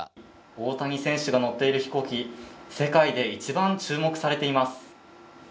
大谷選手が乗っている飛行機、世界で一番注目されています。